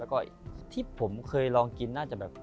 แล้วก็ที่ผมเคยลองกินน่าจะแบบ